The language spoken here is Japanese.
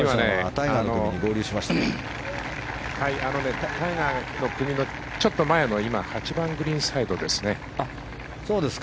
タイガーの組のちょっと前の８番グリーンサイドですね。